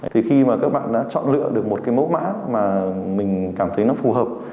thì khi mà các bạn đã chọn lựa được một cái mẫu mã mà mình cảm thấy nó phù hợp